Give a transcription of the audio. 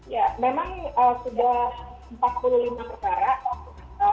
ya memang sudah empat puluh lima perkara empat puluh empat sudah putus satu belum putus yaitu revisi undang undang kpk